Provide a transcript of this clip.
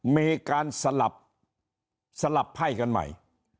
มีการสลับไพ่กันใหม่